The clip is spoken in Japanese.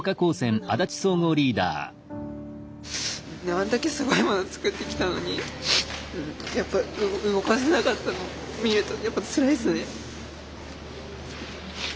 あんだけすごいもの作ってきたのにやっぱ動かせなかったの見るとやっぱつらいっすね。